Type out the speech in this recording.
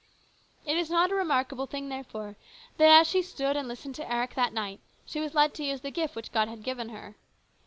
It was not a remarkable thing, therefore, that as she stood and listened to Eric that night she was led to use the gift which God had given her.